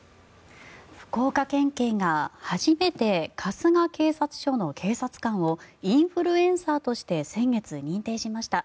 福岡県警が、初めて春日警察署の警察官をインフルエンサーとして先月、認定しました。